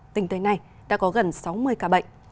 tính tới nay đã có gần sáu mươi ca bệnh